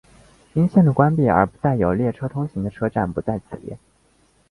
因线路关闭而不再有列车通行的车站不在此列。